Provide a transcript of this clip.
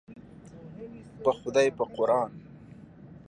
په خدای په قوران.